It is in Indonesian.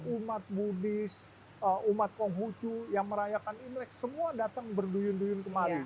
umat buddhis umat konghucu yang merayakan imlek semua datang berduyun duyun kemari